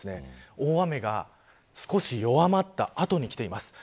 大雨が少し弱まった後に来ています。